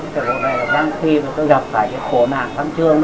cuộc đời là gian khí và tôi gặp phải những khổ mạng văn chương